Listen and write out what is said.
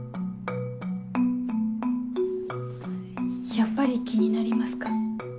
やっぱり気になりますか？